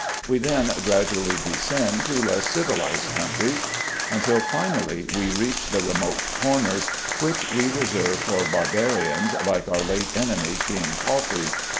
We then gradually descend to less civilized countries, until finally we reach the remote corners, which we reserve for barbarians like our late enemy King Coffee.